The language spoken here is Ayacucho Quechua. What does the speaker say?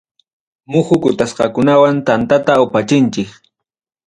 Muhu kutasqakunawan tantata upachinchik.